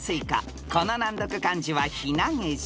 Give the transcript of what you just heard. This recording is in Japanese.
［この難読漢字はヒナゲシ？